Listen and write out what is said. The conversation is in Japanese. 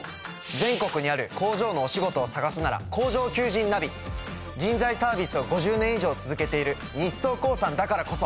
全国にある工場のお仕事を探すなら工場求人ナビ！人材サービスを５０年以上続けている日総工産だからこそ。